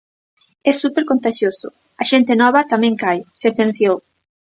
É súper contaxioso, e xente nova, tamén cae, sentenciou.